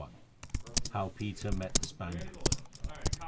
HOW PETER MET THE SPANIARD.